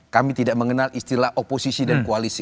kami tidak mengenal istilah oposisi dan koalisi